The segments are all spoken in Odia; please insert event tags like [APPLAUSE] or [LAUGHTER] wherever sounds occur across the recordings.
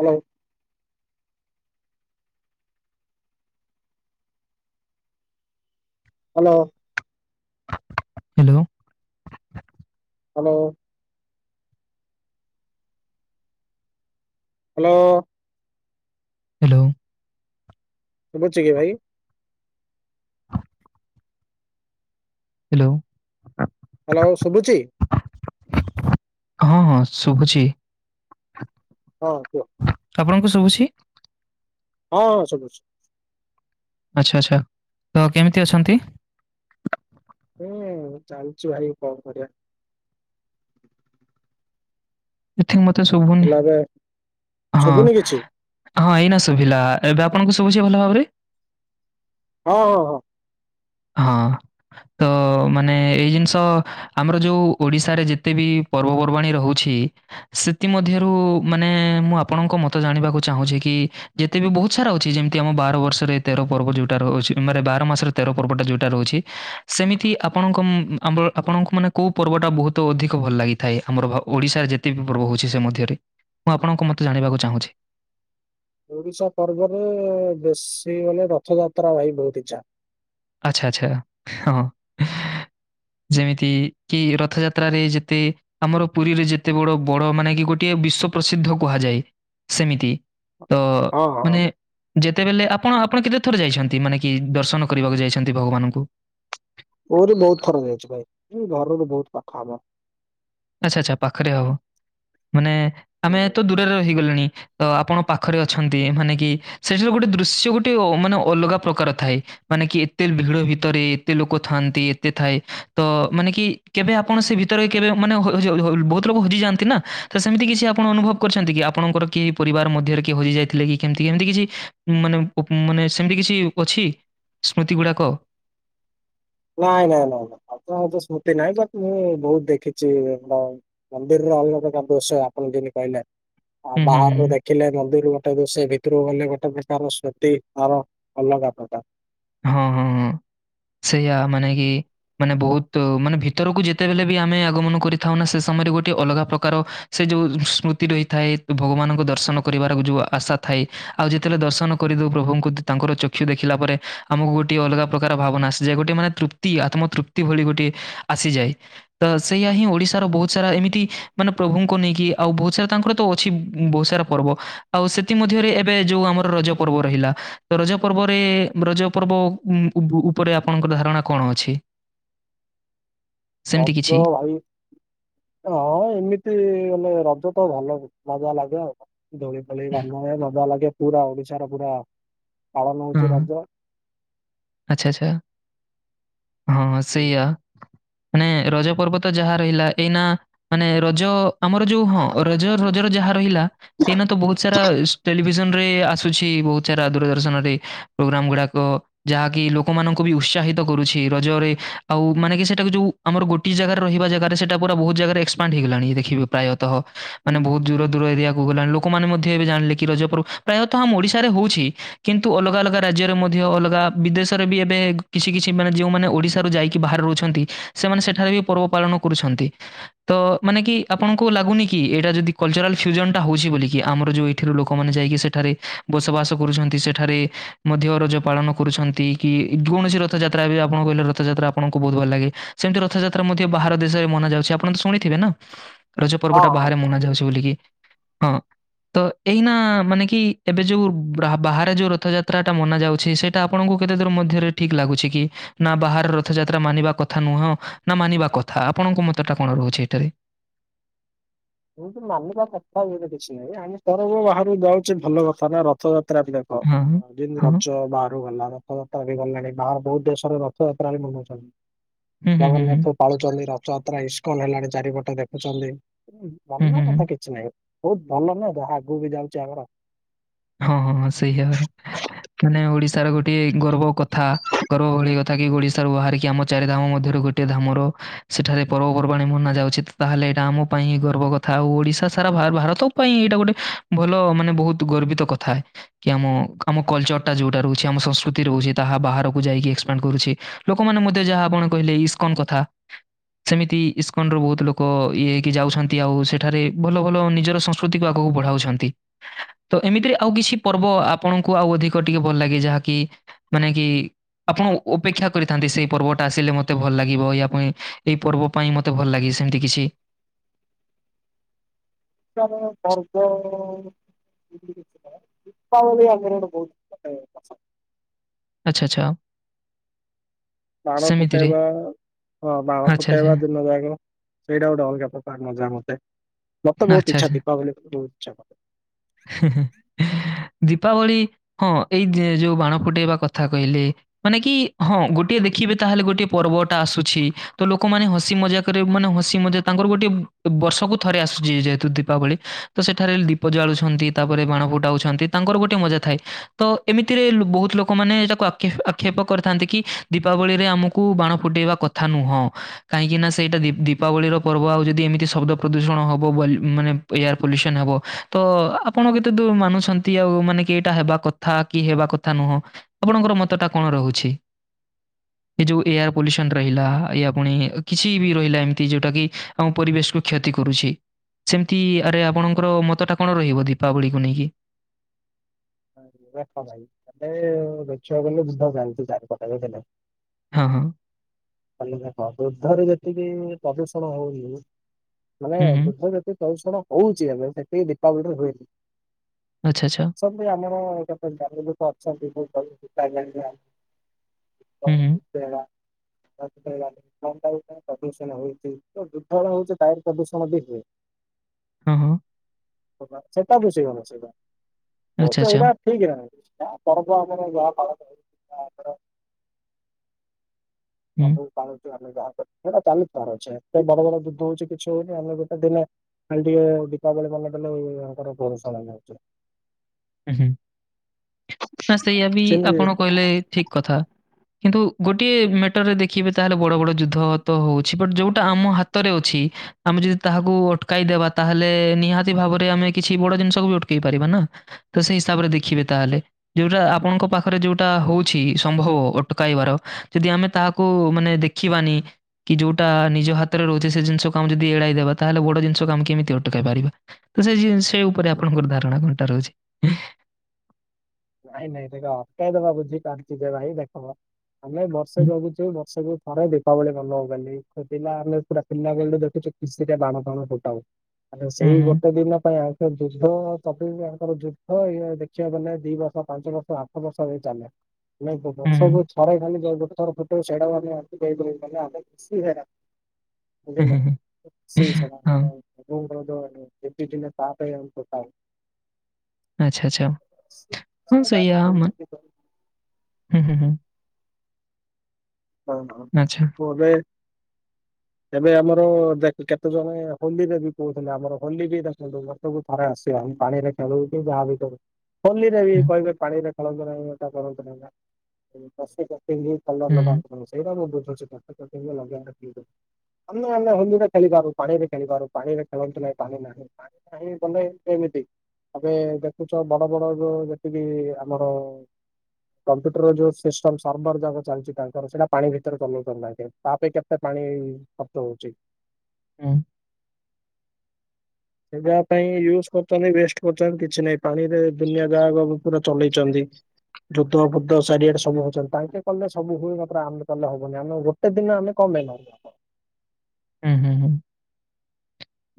Hello. Hello. Hello. Hello. Hello. Hello. ଶୁଭୁଛି କି ଭାଇ? ହାଲୋ। ହାଲୋ ଶୁଭୁଛି। ହଁ, ହଁ ଶୁଭୁଛି। ହଁ କୁହ। ଆପଣଙ୍କୁ ଶବୁଛି? ହଁ ହଁ ସବୁଛି। ଆଚ୍ଛା, ଆଚ୍ଛା ତ କେମିତି ଅଛନ୍ତି? ହୁଁ, ଚାଲିଚି ଭାଇ କଣ କରିବା? କିଛି ମତେ ଶୁଭୁନି ହେଲା ଏବେ ହଁ। ଶୁଭୁନି କିଛି ହଁ, ଏଇନା ଶୁଭିଲା ଏବେ ଆପଣଙ୍କୁ ଶୁବୁଛି ଭଲ ଭାବରେ ହଁ ହଁ ହଁ। ହଁ। ତ ମାନେ ଏଇ ଜିନିଷ ଆମର ଯୋଉ ଓଡିଶାରେ ଯେତେ ବି ପର୍ବପର୍ବାଣୀ ରହୁଛି ସେଥିମଧ୍ୟରୁ ମାନେ ମୁଁ ଆପଣଙ୍କ ମତ ଜାଣିବାକୁ ଚାହୁଁଛି କି? ଯେତେ ବି ବହୁତ ସାରା ଅଛି ଯେମିତି ଆମ ବାର ବର୍ଷରେ ତେର ପର୍ବ ଯୋଉଟା ରଛି ମାନ ବାର ମାସରେ ତେର ପର୍ବଟା ଯୋଉଟା ରହୁଛି ସେମିତି ଆପଣଙ୍କ ଆମ ଆପଣଙ୍କୁ ମାନେ କୋଉ ପର୍ବଟା ବହୁତ ଅଧିକ ଭଲ ଲାଗେ? ଥାଏ ଆମର ଓଡ଼ିଶାରେ ଯେତେ ବିି ପର୍ବ ହଉଛି ସେ ମଧ୍ୟରେ ମୁଁ ଆପଣଙ୍କ ମୋତେ ଜାଣିବାକୁ ଚାହୁଁଛି? ଓଡିଶା ପର୍ବରେ ବେଶୀ ଗଲେ ରଥଯାତ୍ରା ଭାଇ ବହୁତ ଇଚ୍ଛା। ଆଚ୍ଛା ଆଚ୍ଛା ହଁ [INAUDIBLE] ଯେମିତି କି ରଥଯାତ୍ରାରେ ଯେତେ ଆମର ପୁରୀରେ ଯେତେ ବଡ ବଡ ମାନେ କି ଗୋଟିଏ ବିଶ୍ଵ ପ୍ରସିଦ୍ଧ କୁହାଯାଏ ସେମିତି ତ ହଁ ହଁ ମାନେ ଯେତେବେଳେ ଆପଣ ଆପଣ କେତେ ଥର ଯାଇଛନ୍ତି ମାନେ କି ଦର୍ଶନ କରିବାକୁ ଯାଇଛନ୍ତି। ଛନ୍ତି ଭଗବାନଙ୍କୁ। ମୋରି ବହୁତ ଥର ଯାଇଛି ଭାଇ ଘରରୁ ବହୁତ ପାଖ ହବ। ଆଚ୍ଛା ଆଚ୍ଛା ପାଖରେ ହବ ମାନେ ଆମେ ତ ଦୂରରେ ରହିଗଲେଣି ତ ଆପଣ ପାଖରେ ଅଛନ୍ତି ମାନେ କି ସେଠରେ ଗୋଟେ ଦୃଶ୍ୟ ଗୋଟେ ମାନେ ଅଲଗା ପ୍ରକାର ଥାଏ। ମାନେ କି ଏତେ ଭିଡ ଭିତରେ ଏତେ ଲୋକ ଥାଆନ୍ତି ଏତେ ଥାଏ ତ ମାନେ କି କେବେ ଆପଣ ସେ ଭିତରେ କେବେ ମାନେ [UNINTELLIGIBLE] ବହୁତ ଲୋକ ହଜିଯାଆନ୍ତି ନା ତ ସେମିତି କିଛି ଆପଣ ଅନୁଭବ କରିଛନ୍ତି କି ଆପଣଙ୍କର କି ପରିବାର ମଧ୍ୟରେ କିଏ ହଜି ଯାଇଥିଲେ କି କେମିତି କେମିତି କିଛି ମାନେ ମାନେ ସେମିତି କିଛି ଅଛି। ସ୍ମୃତି ଗୁଡ଼ାକ। ନାଇଁ ନାଇଁ ନାଇଁ [UNINTELLIGIBLE] ସ୍ମୃତି ନାଇଁ ବଟ ମୁଁ ବହୁତ ଦେଖିଚି ମନ୍ଦିରରେ ଅଲଗା ପ୍ରକାର ଦୃଷ୍ୟ ଆପଣ କେବେ ପାଇନାହାନ୍ତି ଆ ହୁଁ, ହୁଁ, ହୁଁ। ବାହାରରୁ ଦେଖ ଦେଖିଲେ ମନ୍ଦିରର ଗୋଟେ ଦୃଶ୍ୟ ଭିତରୁକୁ ଗଲେ ଗୋଟେ ପ୍ରକାରର ସ୍ମୁତି ତାର ଅଲଗା ପ୍ରକାର। ହଁ ହଁ ହଁ ସେଇଆ ମାନେ କି? ମାନେ ବହୁତ ମାନେ ଭିତରକୁ ଯେତେବେଲେ ବି ଆମେ ଆଗମନ କରିଥାଉ ନା ସେ ସମୟରେ ଗୋଟେ ଅଲଗା ପ୍ରକାର ସେ ଯୋଉ ସ୍ମୃତି ରହିଥାଏ, ଭଗବାନଙ୍କୁ ଦର୍ଶନ କରିବାର ଯୋଉ ଆଶା ଥାଏ ଆଉ ଯେତେଲେ ଦର୍ଶନ କରିଦେଉ ପ୍ରଭୁଙ୍କୁ ତାଙ୍କର ଚକ୍ଷୁ ଦେଖିଲା ପରେ ଆମକୁ ଗୋଟିଏଅଲଗା ପ୍ରକାର ଭାବନା ଆସିଯାଏ। ଗୋଟେ ମାନେ ତୃପ୍ତି ଆତ୍ମ ତୃପ୍ତି ଭଳି ଗୋଟିଏ ଆସିଯାଏ। ତ ସେଇୟା ହିଁ ଓଡିଶାର ବହୁତ ସାରା ଏମିତି ମାନେ ପ୍ରଭୁଙ୍କୁ ନେଇକି ଆଉ ବହୁ ସାରା ତାଙ୍କର ତ ଅଛି ବହୁ ସାରା ପର୍ବ ଆଉ ସେଥିମଧ୍ୟରେ ଏବେ ଯୋଉ ଆମର ରଜ ପର୍ବ ରହିଲା, ତ ରଜ ପର୍ବରେ ରଜ ପର୍ବ ଉ ଉପରେ ଆପଣଙ୍କର ଧାରଣା କଣ ଅଛି? ସେମିତି କିଛି? [INAUDIBLE] ହଁ ଏମିତି ମାନେ ରଜ ତ ଭଲ ମଜା ଲାଗେ ଆଉ। ଦୋଳି ଫୋଳି ବାନ୍ଧାହୁଏ ମଜା ଲାଗେ ପୁରା ଓଡିଶାର ପୁରା ପାଳନ ହେଉଚି ହୁଁ। ରଜ। ଆଚ୍ଛା ଆଚ୍ଛା ହଁ ହୁଁ। ସେଇଆ। ମାନେ ରଜ ପର୍ବ ତ ଯାହା ରହିଲା ଏଇନା ମାନେ ରଜ। ଆମର ଯୋଉ ହଁ ରଜ ରଜର ଯାହା ରହିଲା ଏଇନା ତ ବହୁତ ସାରା ଟେଲିଭିଜନରେ ଆସ ଆସୁଛି ବହୁତ ସାରା ଦୂରଦର୍ଶନ ରେ ପୋଗ୍ରାମ ଗୁଡାକ। ଯାହାକି ଲୋକମାନଙ୍କୁ ବି ଉତ୍ସାହିତ କରୁଚି ରଜରେ, ଆଉ ମାନେ କି ସେଟାକୁ ଯୋଉ ଆମର ଗୋଟିଏ ଜାଗାରେ ରହିବା ଜାଗାରେ ସେଟା ପୁର ବହୁତ ଜାଗାରେ ଏକ୍ସପାଣ୍ଡ ହେଇଗଲାଣି ଦେଖିବ ପ୍ରାୟତଃ ମାନେ ବହୁତ ହୁଁ। ଦୂର ଦୂର ଏରିଆ ଗଲାଣି ଲୋକମାନେ ମଧ୍ୟ ଏବେ ଜାଣିଲେ କି ରଜପର୍ବ ପ୍ରାୟତଃ ଆମ ଓଡିଶାରେ ହଉଚି କିନ୍ତୁ ଅଲଗା ଅଲଗା ରାଜ୍ୟରେ ମଧ୍ୟ ଅଲଗା ବିଦେଶରେ ବି ଏବେ କିଛି କିଛି ମାନେ ଯେଉଁମାନେ ଓଡ଼ିଶାରୁ ଯାଇକି ବାହାରେ ରହୁଛନ୍ତି ସେମାନେ ସେଠାରେ ବି ପର୍ବ ପାଳନ କରୁଛନ୍ତି। ତ ମାନେ କି ଆପଣଙ୍କୁ ଲାଗୁନି କି ଏଇଟା ଯଦି କଲଚରାଲ ଫିଉଜନ ଟା ହଉଚି ବୋଲିକି ଆମର ଯୋଉ ସେଠାରୁ ଲୋକମାନେ ଯାଇକି ସେଠାରେ ବସବାସ କରୁଚନ୍ତି। ସେଠାରେ ମଧ୍ୟ ରଜ ପାଳନ କରୁଛନ୍ତି କି? କୌଣସି ରଥଯାତ୍ରା ବି ଆପଣ କହିଲେ ରଥଯାତ୍ରା ଆପଣଙ୍କୁ ବହୁତ ଭଲ ଲାଗେ। ସେମିତି ରଥଯାତ୍ରା ମଧ୍ୟ ବାହାର ଦେଶରେ ମନା ଯାଉଚି। ଆପଣ ତ ଶୁଣିଥିବେ ନା? ରଜ ପର୍ବ ହଁ ଟା ହଁ ବାହାରେ ମନା ଯାଉଛି ବୋଲିକି ହଁ। ତ ଏଇନା ମାନେ କି ଏବେ ଯୋଉ ବ୍ରା ବାହାରେ ଯୋଉ ରଥଯାତ୍ରା ଟା ମନା ଯାଉଛି ସେ ଟା ଆପଣଙ୍କୁ କେତେ ଦୂରୁ ମଧ୍ୟରେ ଠିକ୍ ଲାଗୁଛି କି? ନା ବାହାର ରଥଯାତ୍ରା ମାନିବା କଥା ନୁହଁ ନା ମାନିବା କଥା ଆପଣଙ୍କ ମତ ଟା କଣ ରହୁଛି ଏଠାରେ? ଏମିତି ମାନିବା କଥା ବୋଲେ କିଛି ନାଇଁ ଆମେ ପରବ ବାହାରୁକୁ ଯାଉଛେ ଭଲ କଥା ନା ରଥଯାତ୍ରା ହ ହଁ, ଯେମିତି ହଁ। ରଜ ବାହାରକୁ ଗଲାରେ। ରଥଯାତ୍ରା ବି ଗଲାଣି ବାହାର ବହୁତ ଦେଶରେ ରଥଯାତ୍ରା ବି ମନଉଚନ୍ତି ହୁଁ, ହୁଁ, ହୁଁ, ହୁଁ। ଜଗନ୍ନାଥ ପାଳୁଛନ୍ତି ରଥଯାତ୍ରା ଇସ୍କନ ହେଲାଣି ଚାରିପଟେ ଦେଖୁଚନ୍ତି। ହୁଁ, ମନ ହୁଁ, ହୁଁ। କଥା କିଛି ନାହିଁ। ବହୁତ ଭଲ ନୁହେଁ ଯାହା ଆଗକୁ ବି ଯାଉଚି ଆମର। ହଁ ହଁ ସେଇଆ ପରା ମାନେ ଓଡିଶାର ଗୋଟିଏ ଗର୍ବ କଥା। ଗରବ ଭଳି କଥା କି ଓଡିଶାରୁ ବାହାରିକି ଆମ ଚାରି ଧାମ ମଧ୍ୟରୁ ଗୋଟିଏ ଧାମର ସେଠାରେ ପର୍ବପର୍ବାଣି ମନା ଯାଉଛିତ ତାହେଲେ ଏଟା ଆମ ପାଇଁ ଗର୍ବ କଥା ଆଉ ଓଡିଶା ସାରା ଭାରତ ପାଇଁ ଏଇଟା ଗୋଟେ ଭଲ ମାନେ ବହୁତ ଗର୍ବିତ କଥା। କି ଆମ ଆମ କଲଚରଟା ଯୋଉଟା ରହୁଚି। ଆମ ସଂସ୍କୃତି ରହୁଚି। ତାହା ବାହାରକୁ ଯାଇକି ଏକ୍ସପେଣ୍ଡ କରୁଚି। ଲୋକମାନେ ମତେ ଯାହା ଆପଣ କହିଲେ ଇସ୍କନ୍ କଥା। ସେମିତି ଇସ୍କନ ରୁ ବହୁତ ଲୋକ ଇଏ ହେଇକି ଯାଉଛନ୍ତି ଆଉ ସେଠାରେ ଭଲ ଭଲ ନିଜରସ ସ୍ମୃତିକୁ ଆଗକୁ ବଢାଉଛନ୍ତି ତ ଏମିତିରେ ଆଉ କିଛି ପର୍ବ ଆପଣଙ୍କୁ ଆଉ ଅଧିକ ଟିକିଏ ଭଲ ଲାଗେ ଯାହାକି ମାନେ କି ଆପଣ ଅପେକ୍ଷା କରିଥାନ୍ତି ସେଇ ପର୍ବଟା ଆସିଲେ ମତେ ଭଲ ଲାଗିବ ଇଆ ପାଇଁ ଏଇ ପର୍ବ। ପାଇଁ ମୋତେ ଭଲ ଲାଗେ ସେମିତି କିଛି। ପର୍ବ ଦିପାବଳି [UNINTELLIGIBLE] ଆଛା ଆଛା। ବାଣ ସେମିତିରେ ଫୁଟେଇବା ହଁ ବାଣ ଆଚ୍ଛା, ଆଚ୍ଛା, ଫୁଟେଇବା ଦିନ ଯାଙ୍କ। ସେଇଟା ଗୋଟେ ଅଲଗା ପ୍ରକାର ମଜା ମତେ, ମତେ ବହୁତ ଆଚ୍ଛା, ଇଚ୍ଛା ଆଚ୍ଛା। ଦୀପାବଳି ବହୁତ ଇଛାମତେ ଦୀପାବଳି ହଁ ଏଇ ଯୋଉ ବାଣ ଫୁଟେଇବା କଥା କହିଲେ ମାନେ କି ହଁ ଗୋଟିଏ ଦେଖିବେ ତାହେଲେ ଗୋଟିଏ ପର୍ବ ଟା ଆସୁଛି ତ ଲୋକମାନେ ହସି ମଜା ମାନେ ହସି ମଜା ତାଙ୍କର ଗୋଟେ ବର୍ଷକୁ ଥରେ ଆସୁଛି ଯେହେତୁ ଦୀପାବଳି, ତ ସେଠାରେ ଦୀପ ଜାଳୁଛନ୍ତି। ତାପରେ ବାଣ ଫୁଟାଉଛନ୍ତି ତାଙ୍କର ଗୋଟେ ମଜା ଥାଏ ତ ଏମିତିରେ ବହୁତ ଲୋକମାନେ ଏଟାକୁ ଆକ୍ଷେପ କରିଥାନ୍ତି କି ଦୀପାବଳିରେ ଆମକୁ ବାଣ ଫୁଟେଇବା କଥା ନୁହଁ। କାହିଁକିନା ସେଇଟା ଦି ଦୀପାବଳିର ପର୍ବ ଆଉ ଯଦି ଏମିତି ଶବ୍ଦ ପ୍ରଦୂଷଣ ହବ ବୋ ମାନେ ଏୟାର ପଲ୍ୟୁସନ ହବ ତ ଆପଣ କେତେ ଦୂର ମାନୁଛନ୍ତି, ଆଉ ମାନେ କି ଏଇଟା ହେବା କଥା କି ହେବା କଥା ନୁହଁ? ଆପଣଙ୍କର ମତଟା କଣ ରହୁଛି? ଏ ଯୋଉ ଏୟାର ପଲ୍ୟୁସନ ରହିଲା ଏୟା ପୁଣି କିଛି ବି ରହିଲା ଏମିତି ଯୋଉଟା କି ଆମ ପରିବେଶକୁୁ କ୍ଷତି କରୁଛି, ସେମିତି ଆରେ ଆପଣଙ୍କର ମତ ଟା କଣ ରହିବ ଦି ପାବଳିକୁ ନେଇକି? [UNINTELLIGIBLE] ଦେଖିବାକୁ ଗଲେ ବୁଦ୍ଧ ଜାଲୁ ଚାରି ପଟ ଦେଲେ। ହଁ, ହଁ। ଦେଖ ବୃଦ୍ଧରେ ଯେତିକି ପ୍ରଦୂଷଣ ହଉନି ମାନେ ହୁଁ, ହୁଁ। ବୃଦ୍ଧ ଯେତେ ପ୍ରଦୂଷଣ ହଉଛି ଏବେ, ସେତିକି ଦୀପାବଳିରେ ହୁଏନି। ଆଚ୍ଛା, ଆଚ୍ଛା। ଏଠି ଆମର କେତେ ଜ୍ଞାନୀ ଲୋକ ଅଛନ୍ତି କଣ ହୁଁ, ହୁଁ। ଫୁଟେଇବା କଣ ଫୁଟେଇବା ପ୍ରଦୂଷଣ ହଉଛି। ତ ଦୁର୍ବଳ ହଉଛି ବାୟୁ ପ୍ରଦୂଷଣ ବି ହୁଏ ହଁ ହଁ। ସେଟା ବୁଷଗଲା ସେଇଟା। ଆଚ୍ଛା, ଆଚ୍ଛା। ସେଇଟା [UNINTELLIGIBLE] ହୁଁ, ସେଟା ଚାଲିଥିବାର ଅଛି ଏ ବଡ ବଡ ଯୁଦ୍ଧ ହଉଛି କିଛି ହଉନି ଆମେ ଗୋଟେ ଦିନେ ଖାଲି ଟିକେ ଦୀପାବଳି ପାଳନ କଲେ ୟାଙ୍କର ପ୍ରଦୂଷଣ ହେଇଯାଉଛି ହୁଁ, ହୁଁ ନା ସେଇଆା ବି ଆପଣ କହିଲେ ଠିକ କଥା। କିନ୍ତୁ ଗୋଟିଏ ମେଟରରେ ଦେଖିବେ ତାହେଲେ ବଡ ବଡ ଯୁଦ୍ଧ ତ ହଉଛି ବଟ ଯୋଉଟା ଆମ ହାତରେ ଅଛି ଆମେ ଯଦି ତାହାକୁ ଅଟକାଇଦବା ତାହେଲେ ନିହାତି ଭାବରେ ଆମେ କିଛି ବଡ ଜିନିଷକୁ ବି ଅଟକେଇ ପାରିବା ନା। ତ ସେଇ ହିସାବରେ ଦେଖିବେ ତାହେଲେ। ଯୋଉଟା ଆପଣଙ୍କ ପାଖରେ ଯୋଉଟା ହଉଛି ସମ୍ଭବ ଅଟକାଇବାର ଯଦି ଆମେ ତାହାକୁ ମାନେ ଦେଖ ଦେଖିବନି କି ଯୋଉଟା ନିଜ ହାତରେ ରହୁଛି ସେ ଜିନଷକୁ ଆମେ ଯଦି ଏଡେଇଦବା ତାହେଲେ ବଡ ଜିନିଷକୁ ଆମେ କେମିତି ଅଟକାଇ ପାରିବା। ତ ସେ ସେ ଉପରେ ଆପଣଙ୍କର ଧାରଣା କଣ ଟା ରହୁଛି? ନାଇଁ ନାଇଁ ଦେଖ ଅଟକେଇଦବା ବୁଝି ପାରୁଛି ଯେ ଭାଇ ଦେଖମ ଆମେ ବର୍ଷେ ଜଗୁଛୁ ବର୍ଷକୁୁ ଥରେ ଦୀପାବଳି ମନେଇବୁ ବୋଲି। ପିଲା ଆମେ ପୁରା ପିଲାବେଳୁ ଦେଖୁଛୁ ଖୁସି ରେ ବାଣ ଫାଣ ଫୁଟାଉ ଆ ହୁଁ, ହୁଁ, ସେଇ ଗୋଟେ ଦିନ ପାଇଁ ଆ ଯୁଦ୍ଧ ତାଙ୍କର ଯୁଦ୍ଧ ଇଏ ଦେଖିବାକୁ ଗଲେ ଦି ବର୍ଷ ପାଞ୍ଚ ବର୍ଷ ଆଠ ବର୍ଷ ହେଇ ଚାଲେ ହୁଁ, ହୁଁ, ବର୍ଷକୁ ଥରେ ଖାଲି ଗୋଟେ ଥର ତ ସେଇଟାକୁ ଆମେ ଆଡେଇ ଦେଲେ ଆମ ଖୁସି ସେଟା ହୁଁ, ବୁଝିଲେ ହୁଁ, ହୁଁ, ହଁ, [UNINTELLIGIBLE] ଆଛା, ଆଚ୍ଛା ହଁ ସେଇଆ ହୁ, ହୁଁ, ହୁ ହଁ ହଁ ଆଚ୍ଛା, ମୁଁ ଏବେ ଏବେ ଆମର ଦେଖ୍ କେତେ ଜେଣ ହୋଲିରେ ବି କୋହୁଥିଲେ ଆମର ହୋଲିକି ଦେଖନ୍ତୁ ମୋର ସବୁ ଥରେ ଆସିବା ହୁଁ ପାଣିରେ ଖେଳୁ କି ଯାହା ବି କରୁ। ହୋଲିରେ ବି ହୁଁ, କହିବେ ପାଣିରେ ଖେଳନ୍ତୁ ନାହିଁ ଏଟା କରନ୍ତୁ ନାହିଁ ବା। ଉଁ ପଶୁ ପକ୍ଷୀଙ୍କି କଲର ହୁଁ, ଲଗାନ୍ତୁନି ସେଇଟା ମୁଁ ବୁଝୁଚି ପଶୁ ପକ୍ଷୀଙ୍କି ଲଗେଇଆଟା ଠିକ୍ ଆମେ ତୁ ଆମେ ହୋଲିରେ ଖେଳି ପାରୁ ପାଣିରେ ଖେଳି ପାରୁ ପାଣିରେ ଖେଳନ୍ତୁ ନାହିଁ ପାଣି ନାହିଁ। ପାଣି ନାହିଁ ତମେ ଏମିତି ଅବେ ଦେଖୁଚ ବଡ ବଡ ଯୋଉ ଯେତିକି ଆମର କମ୍ପ୍ୟୁଟର ଯୋଉ ସିଷ୍ଟମ ସର୍ଭର ଯାକ ଚାଲିଚି ତା ତର ସେଟା ପାଣି ଭିତରେ ଚଲେଇ ପାରୁ ନାହାନ୍ତି ତା ପାଇଁ କେତେ ପାଣି ଖର୍ଚ୍ଚ ହୋଉଚି। ଉଁ। ସେ ଯାହା ପାଇଁ ୟୁଜ କରୁଚନ୍ତି ୱେଷ୍ଟ କରୁଚନ୍ତି କିଛି ନାହିଁ ପାଣିରେ ଦୁନିଆ ଯାହାକୁ ଆମେ ପୁରା ଚଲେଇଚନ୍ତି। ଯୁଦ୍ଧ ଫୁଦ୍ଧ ଚାରିଆଡ଼େ ସବୁ ହୋଉଚନ୍ତି ତାଙ୍କେ କଲେ ସବୁ ହୁଏ ମାତ୍ର ଆମେ କଲେ ହବନି ଆମେ ଗୋଟେ ଦିନ ଆମେ କ ପାଇଁ ଭଲ। ଉଁ ହୁଁ ହୁଁ।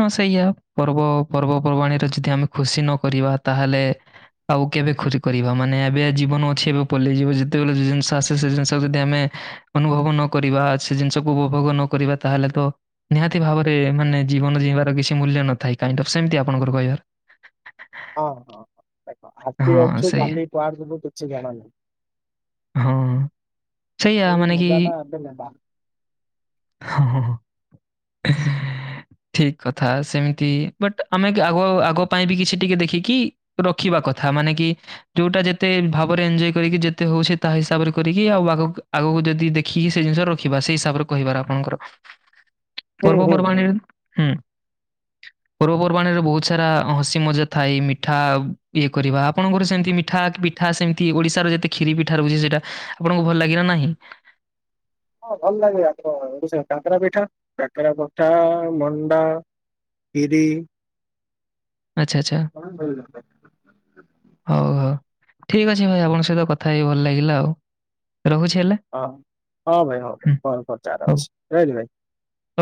ହଁ ସେଇଆ ପର୍ବ ପର୍ବାଣୀରେ ଯଦି ଆମେ ଖୁସି ନ କରିବା ତାହେଲେ ଆଉ କେବେ ଖୁରି କରିବା ମାନେ ଏବେ ଜୀବନ ଅଛି ଏବେ ପଲେଇଯିବ ଯେତେବେଲେ ଯୋଉ ଜିନିଷ ଆସେ ସେ ଜିନିଷ ଯଦି ଆମେ ଅନୁଭବ ନ କରିବା ସେ ଜିନିଷକୁ ଉପଭୋଗ ନ କରିବା ତାହେଲେ ତ ନିହାତି ଭାବରେ ମାନେ ଜୀବନ ଜୀଇଁବାର କିଛି ମୂଲ୍ୟ ନଥାଏ କାଇଣ୍ଡ ଅଫ ସେମତି ଆପଣଙ୍କର କହିବାର ହଁ ହଁ ହଁ ଦେଖ ଆଜି ହଁ, ଅଛୁ ସେଇଆ। କାଲି କୁଆଡ଼େ ଯିବୁ କିଛି ଜଣା ନାଇଁ। ହଁ, ଅ ସେଇଆ ସେଇ ମାନେ କି ମଜାଟା ଏବେ ନେବା। ହଁ ହଁ ହଁ। [UNINTELLIGIBLE] ଠିକ୍ କଥା ସେମିତି ବଟ୍ ଆମେ କେ ଆଗ ଆଗ ପାଇଁ ବି କିଛି ଟିକେ ଦେଖିକି ରଖିବା କଥା ମାନେ କି ଯୋଉଟା ଯେତେ ଭାବରେ ଏଞ୍ଜୟ କରିକି ଯେତେ ହଉଛି ତା ହିସାବରେ କରିକି ଆଉ ଆଗକ୍ ଆଗକୁ ଯଦି ଦେ ଖି ସେ ଜିନିଷ ରଖିବା ସେଇ ହିସାବରେ କହିବାର ଆପଣଙ୍କର। ହୁଁ ପର୍ବ ହୁଁ ହୁଁ। ପର୍ବାଣୀରୁ ହୁଁ। ପର୍ବପର୍ବାଣିରେ ବୋହୁତ ସାରା ହସି ମଜା ଥାଏ ମିଠା ଇଏ କରିବା ଆପଣଙ୍କର ସେମତି ମିଠା କି ବି ଠା ସେମତି ଓଡ଼ିଶାର ଯେତେ ଖିରୀ ପିଠା ରହୁଚି ସେଇଟା ଆପଣଙ୍କୁ ଭଲ ଲାଗିଲା ନାହିଁ? ହଁ ଭଲ ଲାଗେ ଆମର ଓଡ଼ିଶା କାକରା ପିଠା କାକରା ପଠା ମଣ୍ଡା ଖିରି। ଆଚ୍ଛା ଆଚ୍ଛା। ଅ ଉଁ ଭଲ ଲାଗ। ହଉ ହଉ ଠିକ୍ ଅଛି ଭାଇ ଆପଣ ସହିତ କଥା ହେଇ ଭଲ ଲାଗିଲା ଆଉ। ରହୁଚି ହେଲା। ଅଁ ହଁ ଭାଇ ହଁ ଭାଇ କଁ କରଚ ଆରମସେ ରହିଲି ଭାଇ।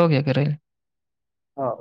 ଉ ଏଗେରେ ହଉ।